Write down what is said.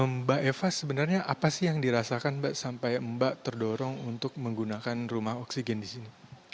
mbak eva sebenarnya apa sih yang dirasakan mbak sampai mbak terdorong untuk menggunakan rumah oksigen di sini